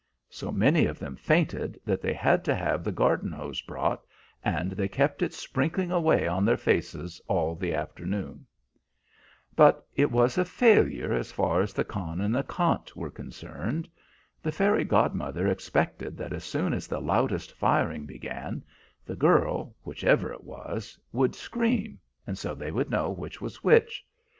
So many of them fainted that they had to have the garden hose brought, and they kept it sprinkling away on their faces all the afternoon. [Illustration: "THEY BEGAN TO SCREAM, 'OH, THE COW! THE COW!'"] "But it was a failure as far as the Khan and the Khant were concerned. The fairy godmother expected that as soon as the loudest firing began, the girl, whichever it was, would scream, and so they would know which was which.